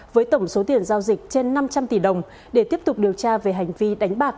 với tổng số tiền giao dịch trên năm trăm linh tỷ đồng để tiếp tục điều tra về hành vi đánh bạc